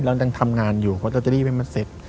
เราต้องทำงานอยู่เพราะจะรีบให้มันเสร็จ